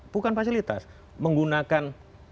bukan fasilitas menggunakan